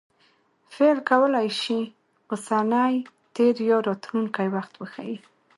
فعل کولای سي اوسنی، تېر یا راتلونکى وخت وښيي.